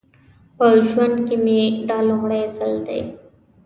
په ژوند کې مې دا لومړی ځل دی.